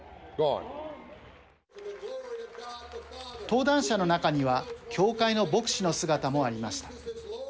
登壇者の中には教会の牧師の姿もありました。